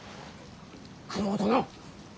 九郎殿！